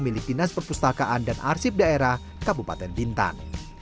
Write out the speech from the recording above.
milik dinas perpustakaan dan arsip daerah kabupaten bintan